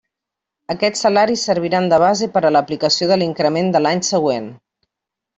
Aquests salaris serviran de base per a l'aplicació de l'increment de l'any següent.